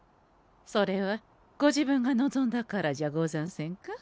それはご自分が望んだからじゃござんせんか？